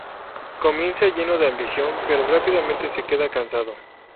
Comienza lleno de ambición, pero rápidamente se queda cansado.